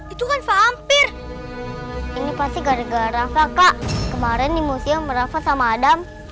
itu kan vampir ini pasti gara gara kak kemarin di musim merafa sama adam